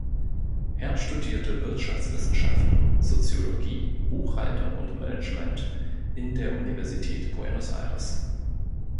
Er studierte Wirtschaftswissenschaften, Soziologie, Buchhaltung und Management in der Universität Buenos Aires.